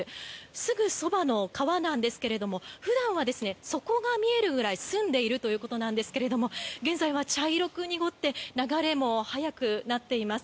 すぐそばの川なんですが普段は底が見えるぐらい澄んでいるということなんですが現在は茶色く濁って流れも速くなっています。